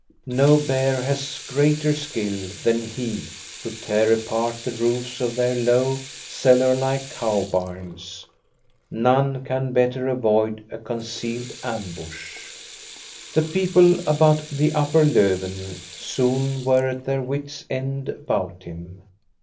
No bear has greater skill than he to tear apart the roofs of their low, cellar like cow bams ; none can better avoid a concealed ambush. The people about the upper Lofven soon were at their wits' end about him.